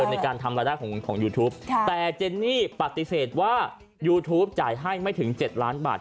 ในการทำรายได้ของยูทูปแต่เจนนี่ปฏิเสธว่ายูทูปจ่ายให้ไม่ถึง๗ล้านบาท